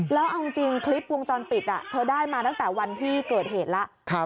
แล้วเอาจริงคลิปวงจรปิดเธอได้มาตั้งแต่วันที่เกิดเหตุแล้ว